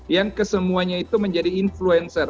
yang kesemuanya itu menjadi influencer